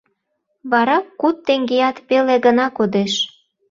Вара куд теҥгеат пеле гына кодеш.